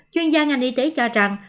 chuyên gia ngành y tế cho rằng